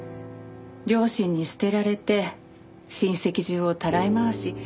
両親に捨てられて親戚中をたらい回し。